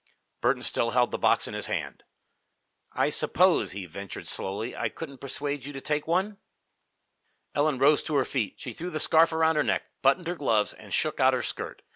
Burton still held the box in his hand. "I suppose," he ventured slowly, "I couldn't persuade you to take one?" Ellen rose to her feet. She threw the scarf around her neck, buttoned her gloves, and shook out her skirt.